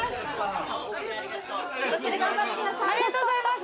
ありがとうございます。